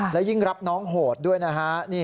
และยิ่งรับน้องโหดด้วยนะฮะ